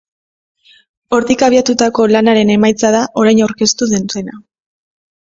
Hortik abiatutako lanaren emaitza da orain aurkeztu dutena.